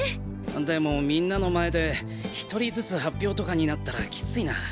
でもみんなの前で１人ずつ発表とかになったらキツいな。